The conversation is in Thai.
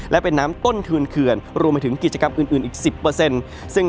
และเป็นน้ำต้นคืนเขื่อนรวมไปถึงกิจกรรมอื่นอีก๑๐ซึ่ง